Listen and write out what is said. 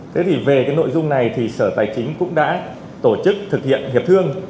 thế thì về cái nội dung này thì sở tài chính cũng đã tổ chức thực hiện hiệp thương